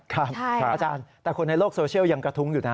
อาจารย์แต่คนในโลกโซเชียลยังกระทุ้งอยู่นะ